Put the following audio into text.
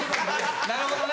なるほどね。